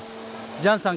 ジャンさん